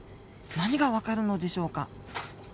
何がわかるのでしょうか？